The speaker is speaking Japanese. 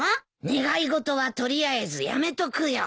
願い事は取りあえずやめとくよ。